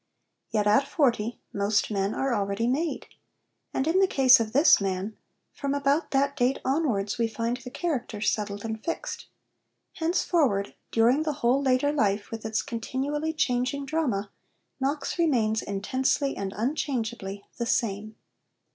Yet at forty most men are already made. And in the case of this man, from about that date onwards we find the character settled and fixed. Henceforward, during the whole later life with its continually changing drama, Knox remains intensely and unchangeably the same.